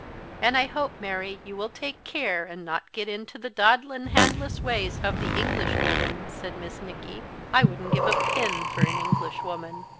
"And I hope, Mary, you will take care and not get into the daadlin' handless ways of the English women," said Miss Nicky; "I wouldn't give a pin for an Englishwoman."